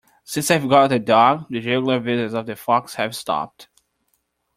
Since I've gotten a dog, the regular visits of the fox have stopped.